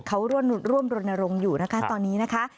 เขาร่วมรณรงค์อยู่นะคะตอนนี้นะคะ